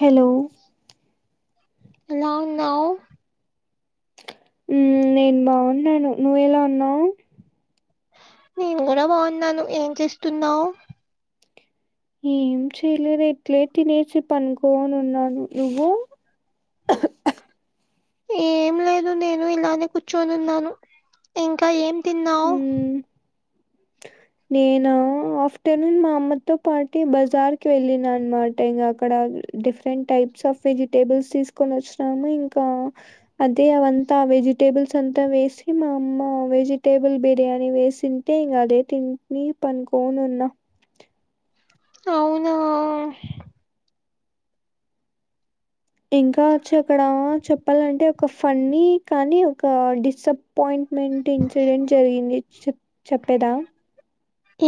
Hello ఎలా ఉన్నావ్ ఉమ్ నేను బాగున్నాను నువ్వు ఎలా ఉన్నావు నేను కూడా బాగున్నాను ఏం చేస్తున్నావు ఏం చెయలేదు ఎట్లే తినేసి పనుకోని ఉన్నాను నువ్వు ఏం లేదు నేను ఇలానే కూర్చొని ఉన్నాను ఇంకా ఏం తిన్నావు హ్మ్ నేనా ఆఫ్టర్నూన్ మా అమ్మతో పాటి బజార్ కి వెళ్ళిన అన్నమాట ఇగ అక్కడ డిఫరెంట్ టైప్స్ ఆఫ్ వెజిటేబుల్స్ తీసుకొని వచ్చినాము ఇంకా అదే అవంతా వెజిటేబుల్స్ అంతా వేసి మా అమ్మ వెజిటేబుల్ బిర్యానీ వేసి తింటేం కదే తిని పనుకోని ఉన్నా అవునా ఇంకా వచ్చి అక్కడ చెప్పాలంటే ఒక ఫన్నీ కానీ ఒక డిస్బ్ అపాయింట్మెంట్ ఇన్సిడెంట్ జరిగింది చె చెప్పేదా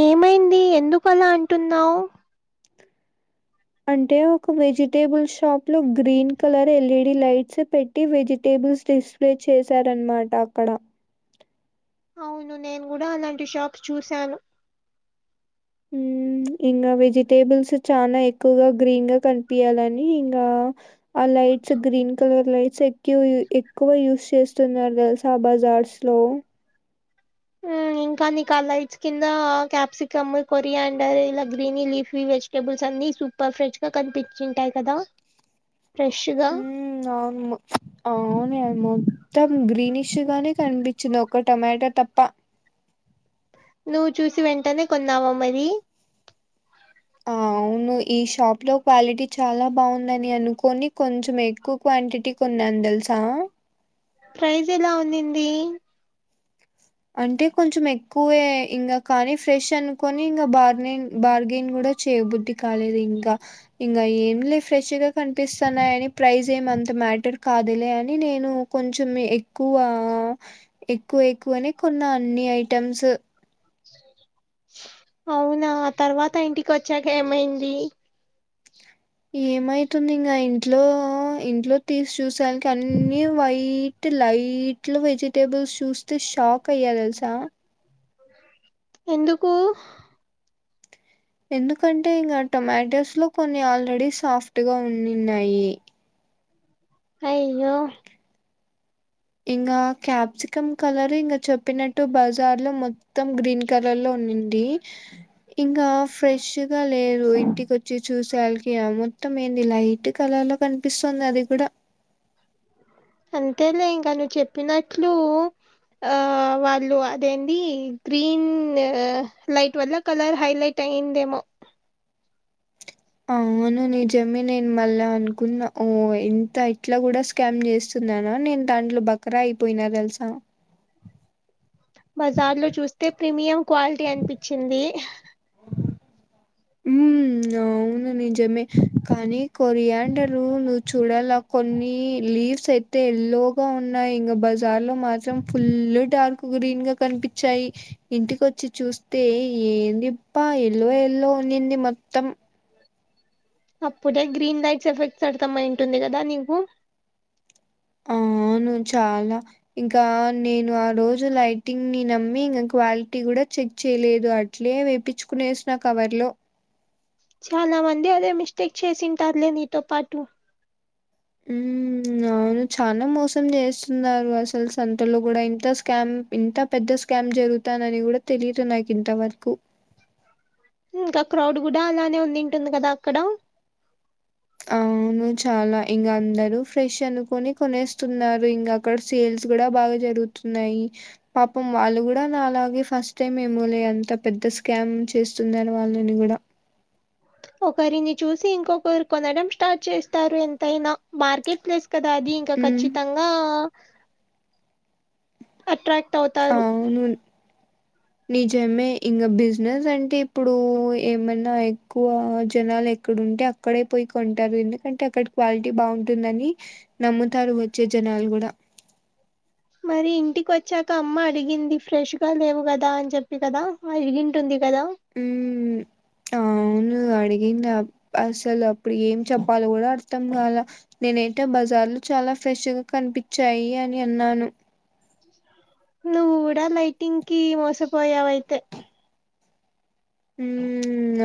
ఏమైంది ఎందుకలా అంటున్నావు అంటే ఒక వెజిటేబుల్ షాప్ లో గ్రీన్ కలర్ ఎల్ఈడి లైట్స్ పెట్టి వెజిటేబుల్స్ తీసు ప్లే చేశారనమాట అక్కడ అవును నేను కూడా అలాంటి షాప్ చూశాను [inaudible] ఇంకా వెజిటేబుల్స్ చాలా ఎక్కువగా గ్రీన్గా కనిపియాలని ఇంకా ఆ లైట్స్ గ్రీన్ కలర్ లైట్స్ క్యూ ఎక్కువ యూజ్ చేస్తున్నారు తెల్సా బజార్స్ లో ఉమ్ ఇంకా నీకు ఆ లైట్స్ కింద క్యాప్సికమ్ కొరి యాండర్ ఇలా green leafy vegetables అన్ని సూపర్ ఫ్రెష్గా కనిపించి ఉంటాయి కదా ఫ్రెష్గా ఉమ్ అవును అవును మొత్తం గ్రీనిష్గానే కనిపించింది ఒక టమాటా తప్ప నువ్వు చూసి వెంటనే కొన్నావా మరి [inaudible] అమ్మె ఈ షాప్ లో క్వాలిటీ చాలా బాగుందని అనుకొని కొంచెం ఎక్కువ క్వాంటిటీ కున్నాన్ తెలుసా ప్రైజ్ ఎలా ఉందింది అంటే కొంచెం ఎక్కువే ఇంకా కానీ ఫ్రెష్ అనుకొని ఇంకా బార్న్ బర్గింగ్ కూడా చేయాబుద్ధి కాలేదు ఇంకా ఇంకా ఏం లే ఫ్రెష్గా కనిపిస్తున్నాయని ప్రైజ్ ఏం అంత మ్యాటర్ కాదులే అని టే నేను కొంచెం ఎక్కువ ఎక్కువ ఎక్కువఅని కొన్న అన్ని ఐటెమ్స్ అవునా తర్వాత ఇంటికి వచ్చాక ఏమైంది ఏమైతుంది ఇంకా ఇంట్లో ఇంట్లో తీసి చూసక అన్నీ వైట్ అ లైట్ లో వెజిటేబుల్స్ చూస్తే షాక్ అయ్య తెలుసా ఎందుకు ఎందుకంటే ఇంకా టొమాటోస్ లో కొన్ని ఆల్రెడీ సాఫ్ట్ గా ఉంన్నాయి అయ్యో ఇంకా క్యాప్సికమ్ కలర్ ఇంక చెప్పినట్టు బజార్ లో మొ మొత్తం గ్రీన్ కలర్ లో ఉందిడి ఇంకా ఫ్రెష్గా లేరు ఇంటికి వచ్చి చూసే యాళికి మొత్తం ఏంది లైట్ కలర్ లా కనిపిస్తుంది అది కూడా అంతేలే ఇంకా నువ్వు చెప్పినట్లు ఆ వాళ్ళు అదేంది గ్రీన్ లైట్ వల్ల కలర్ హైలైట్ అయిందేమో అవును నీజమే నేను మళ్ళా అనుకున్నా ఓ ఇంత ఇట్లా గూడా స్కామ్ చేస్తున్నానా నేను దాంట్లో బకరా అయిపోయినా తెలుసా బజార్ లో చూస్తే ప్రీమియం క్వాలిటీ అనిపించింది హ [unintelligible] ఉ అవును నిజమే కానీ కొరియాడర్ నువ్వు చూడాల కొన్ని లీవ్స్ అయితే ఎల్లోగా ఉన్నాయి ఇంగ బజార్ లో మాత్రం ఫుల్ డార్క్ గ్రీన్ గా కనిపించాయి ఇంటికోచ్చి చూస్తే ఏందిప్ప ఎల్లో ఎల్లో ఉన్నిండింది మొత్తం అప్పుడే గ్రీన్ లైట్స్ ఎఫెక్ట్స్ అర్ధమైటుంది గదా నీవు అవును చాలా ఇంకా నేను ఆ రోజు లైటింగ్ ని నమ్మి ఇంగా క్వాలిటీ గూడా చెక్ చేయలేదు అటు ఇట్లే వేపించుకునే ఎసికొనేసినా కవర్ లో చాలా మంది అదే మిస్టేక్ చేసింటారులే నీతో పాటు [inaudible] హ్మ్. అవును చానా మోసం చేస్తున్నారు అసలు సంతలో గూడా ఇంత స్కాం ఇంత పెద్ద స్కామ్ జరుగుతానని గూడా తెలిదు నాకు ఇంతవరకు ఇంకా క్రౌడ్ గూడా అలానే ఉందింటుంది గదా అక్కడ అవును చాలా ఇంగా అందరు ఫ్రెష్ అనుకోని కొనేస్తున్నారు ఇంగా అక్కడ సేల్స్ గూడా బాగా జరుగుతున్నాయి పాపం వాళ్ళు గూడా నాలాగే ఫస్ట్ టైమ్ ఏమో లే అంత పెద్ద స్కామ్ చేస్తుందని వాళ్ళని గూడా ఒకరిని చూసి ఇంకొకరు కొనడం స్టార్ట్ చేస్తారు ఎంతైనా మార్కెట్ ప్లేస్ కదా అది ఇక హ్మ్. ఖచ్చితంగా అట్రాక్ట్ అవుతారు అవును నిజమే ఇంగా బిజినెస్ అంటే ఇప్పుడు ఏమన్నా ఎక్కువ జనాలు ఎక్కడంటే అక్క అక్కడే పోయి కొంటారు ఎందుకంటే అక్కడ క్వాలిటీ బాగుంటుందని నమ్ముతారు వచ్చే జనాలు గూడా మరి ఇంటికి వచ్చాక అమ్మ అడిగింది ఫ్రెష్గా లేవు గదా అని చెప్పి గదా అడిగింటుంది గదా ఉమ్ ప్ అవును అడిగింది అసలు అప్పుడు ఏం చెప్పాల గూడా అర్థం గాలే నేనైతే బజార్లు చాలా ఫ్రెష్గా కనిపించాయి అని అన్నాను ఆ నువ్వు గూడా లైటింగ్ కి మోసపోయావయితే హూ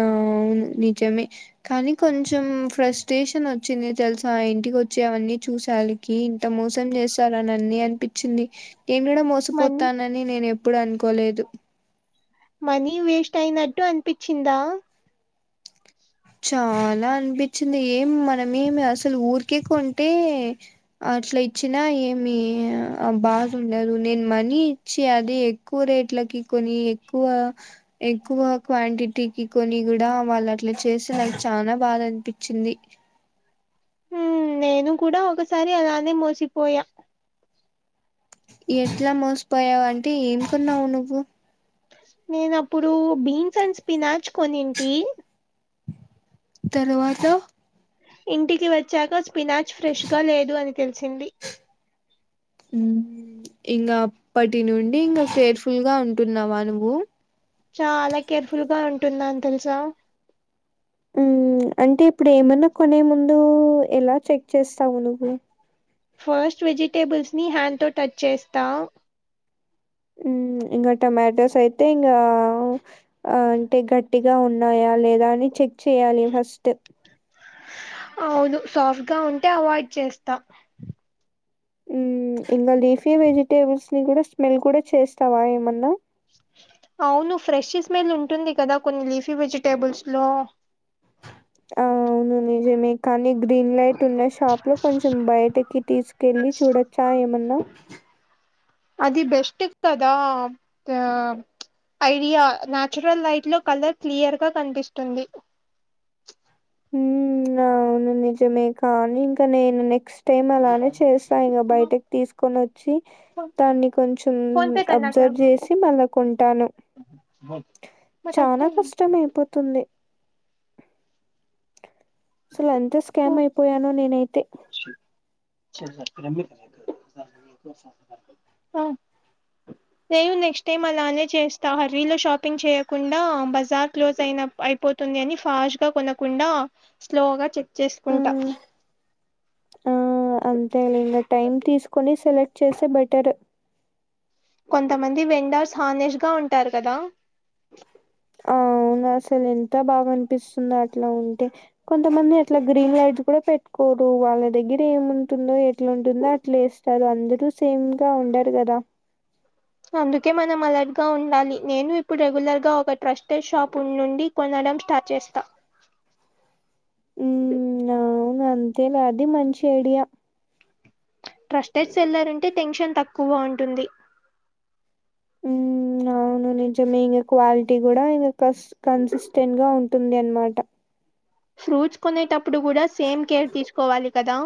అవును నిజమే కానీ కొంచెం ఫ్రస్ట్రేషన్ వచ్చింది తెలుసా ఇంటికి వచ్చి అవన్నీ చూసాలి ఇంత మోసం చేస్తార అని అన్ని అనిపించింది నేను గూడా మోసం మన్ మోసపోతానని నేను ఎప్పుడు అనుకోలేదు మనీ వేస్ట్ అయినట్టు అనిపించిందా చాలా అనిపించింది ఏం మనమేమి అసలు ఊరికే కొంటే అట్లా ఇచ్చినా ఏమి బాద ఉండదు నేను మనీ చ్చి అది ఎక్కువ రేట్లకి కొని ఎక్కువ ఎక్కువ క్వాంటిటీకి కొని గూడా వాళ్ళు అట్లా చేసి నాకు చానా బాద అనిపించింది హు నేను కూడా ఒకసారి అలానే మోసిపోయా ఎట్లా మోసిపోయావు అంటే ఏంకున్నావు నువ్వు నేను అప్పుడు బీన్స్ అండ్ స్పినార్చ్ కొనింటి తరువాత ఇంటికి వచ్చాక స్పినాచ్ ఫ్రెష్గా లేదు అని తెలిసింది ఇంకా అప్పటి నుండి ఇంకా కేర్ఫుల్ గా ఉంటున్నావా నువ్వు చాలా కేర్ఫుల్ గా ఉంటుందా అని తెలుసా అంటే ఇప్పుడు ఏమన్నా కొనే ముందు ఎలా చెక్ చేస్తావు నువ్వు ఫస్ట్ వెజిటేబుల్స్ ని హ్యాండ్ తో టచ్ చేస్తా హు ఇంకా టొమాటోస్ అయితే ఇంకా ఆ అంటే గట్టిగా ఉన్నాయా లేదా అని చెక్ చెయ్యాలి ఫస్ట్ అవును సాఫ్ట్ గా ఉంటే అవాయిడ్ చేస్తా ఇంకా లీఫీవెజిటేబుల్స్ ని కూడా స్మెల్ కూడా చేస్తావా ఏమన్నా అవును ఫ్రెష్ స్మెల్ ఉంటుంది కదా కొన్ని లీఫీ వెజిటేబుల్స్ లో ఆవును నిజమే కానీ గ్రీన్ లైట్ ఉన్న షాప్ లో కొంచెం బయటకి తీసుకెళ్ళి చూడొచ్చా ఏమన్నా అది బెస్ట్ కదా ఆ ఐడియా నాచురల్ లైట్ లో కలర్ క్లియర్ గా కనిపిస్తుంది హూ అవును నిజమే కానీ ఇంకా నేను నెక్స్ట్ టేమ అలానే చేస్తా ఇంక బయటకి తీసుకొని వచ్చి దాన్ని కొంచం ఫోన్ పే అబ్జర్వ్ చేసి మళ్ళ కొంటాను వా చనా కష్టం అయిపోతుంది అసలు ఎంత స్కామ్ అయిపోయానో నేనైతే ఆ నేను నెక్స్ట్ టైమ్ అలానే చేస్తా హర్రీ లో షాపింగ్ చేయకుండా బజార్ క్లోజ్ అయిన అయిపోతుంది అని ఫాస్ట్ గా కొనకుండా స్లోగా చెక్ చేసుకుంటా ఉమ్ ఆ అంతేలే ఇంగ టైమ్ తీసుకొని సెలెక్ట్ చేస్తే బెటరు కొంతమంది వెండర్స్ హానెస్ట్ గా ఉంటారు కదా అవునా అసలు ఎంత బాగా అనిపిస్తుంది అట్లా ఉంటే కొంతమంది అట్లా గ్రీన్ యార్డ్ పెట్టుకోరు వాళ్ళ దగ్గర ఏముంటుందో ఎట్లాంటుందో అట్లా వస్తారు అందరు సేమ్ గా ఉండరు గదా అందుకే మనం అలర్టుగా ఉండాలి నేను ఇప్పుడు రెగ్యులర్ గా ఒక ట్రస్టెడ్ షాప్ నుండి కొనడం స్టార్ట్ చేస్తా ఉ అవును అంతేలి అది మంచి ఐడియా ట్రస్టెడ్ సెల్లర్ అంటే టెన్షన్ తక్కువగా ఉంటుంది అవును నిజం ఇం క్వాలిటీ కూడా ఇంస్ కన్సిస్టెంట్ గా ఉం టుంది అనమాట ఫ్రూట్స్ కొనేటప్పుడు కూడా సేమ్ కేర్ తీసుకోవాలి కదా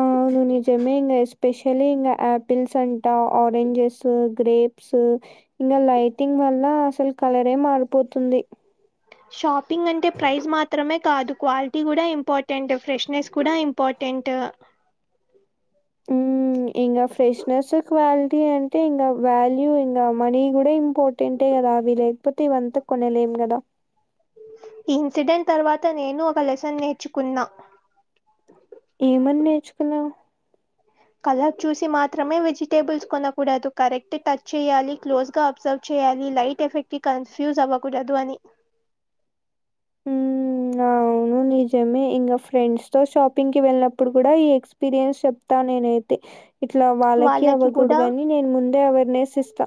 అ అవును నిజమే ఇంకా ఎస్పెషలీ ఇకా ఆపిల్స్ అంటా ఆరెంజెస్ గ్రేప్స్ ఇంకా లైటింగ్ వల్ల అసలు కలరే మారిపోతుంది షాపింగ్ అంటే ప్రైస్ మాత్రమే కాదు క్వాలిటీ కూడా ఇంపార్టెంట్ ఫ్రెష్నెస్ కూడా ఇంపార్టెట్ ఉ ఇంకా ఫ్రెష్నెస్ క్వాలిటీ అం తే ఇంకా వాల్యూ ఇంకా మనీ కూడా ఇంపార్టెంటే కదా అవి లేకపోతే ఇవంతా కొనేలేం కదా ఇన్సిడెంట్ తర్వాత నేను ఒక లెసన్ నేర్చుకున్నా ఏమని నేర్చుకున్నావ్ కలర్ చూసి మాత్రమే వెజిటేబుల్స్ కొనకూడదు కరెక్ట్ టచ్ చేయాలి క్లోజ్ గా సెర్చ్ చేయాలి లైట్ ఎఫెక్ట్ కన్ఫ్యూస్ అవ్వకూడాదు అని హ్మ్. అ అవును నిజమే ఇంకా ఫ్రెండ్స్ తో షాపింగ్ కి వెళ్ళనప్పుడు కూడా ఈ ఎక్స్ ఎపీరియన్స్ చెప్త నేనయితే ఇట్లా వాళ్ళకి అవ్వకూడదని నేను ముందే అవేర్నెస్ ఇస్తా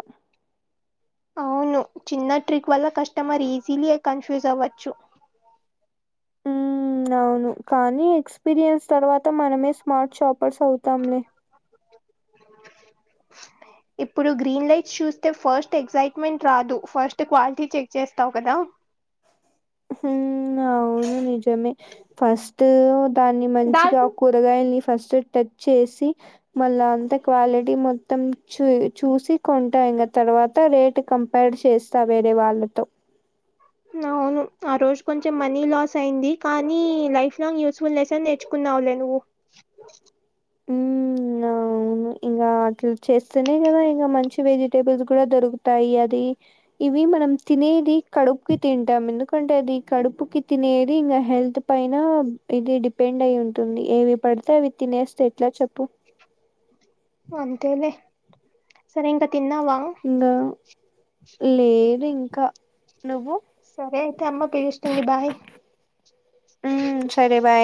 అవును చిన్న ట్రిక్ వల్ల కస్టమర్ ఈజీలీ కన్ఫ్యూజ్ అవ్వచ్చు అవును కానీ ఎక్స్పీరియన్స్ తర్వాత మనమే స్మార్ట్ షాపర్స్ అవుతాంలే ఆ ఇప్పుడు గ్రీన్ లైట్స్ చూస్తే ఫస్ట్ ఎగ్సైట్మెంట్ రాదు ఫస్ట్ క్వాలిటీ చెక్ చేస్తావు కదా హు అవును నిజమే ఫస్ట్ దాన్ని మంచిగా దాల్కు కూరగాయల్ని ఫస్ట్ టచ్ చేసి మళ్ళా అంత క్వాలిటీ మొత్తం చూ చూసి కొంటా ఇగ తర్వాత రేటు కం ఫైట్ చేస్తా వేరే వాళ్ళతో అవును ఆ రోజు కొంచెం మనీ లాస్ అయింది కానీ లైఫ్ లాంగ్ యూస్ఫుల్ లెసన్ నేర్ నేర్చుకున్నావులే నువ్వు హ్మ్ అవును ఇంకా అట్లా చేస్తేనే కదా ఇంకా మంచి వెజిటేబుల్స్ కూడా దొరుకుతాయి అది ఇవి మనం తినేది కడుపుకి తింటాం ఎందుకంటే అది కడుపుకిి తినేది ఇంకా హెల్త్ పైన ఇది డిపెండ్ అయి ఉంటుంది ఏవి పడితే అవి తినేస్తే ఎట్లా చెప్పు అంతేలే సరే ఇంకా తిన్నావా నో లేదు ఇంకా నువ్వు సరే అయితే అమ్మ పిలుస్తుంది బాయ్ ఉ సరే బై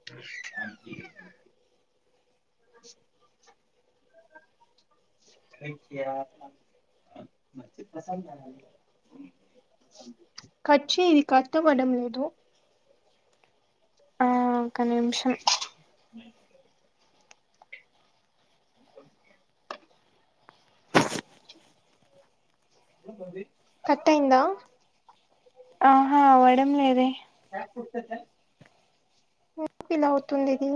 థ్యాంక్ యూ [unintelligible] కట్ చేయ్ ఇది కట్టవడం లేదు ఆ ఒక్క నిమిషం అ ఆ కట్టయిందా ఆహా అవ్వడం లేదే ఎందుకిలా అవుతుంది ఇది